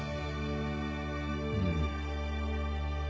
うん。